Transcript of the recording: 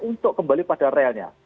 untuk kembali pada realnya